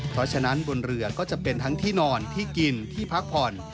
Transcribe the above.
เพราะฉะนั้นบนเรือก็จะเป็นทั้งที่นอนที่กินที่พักผ่อน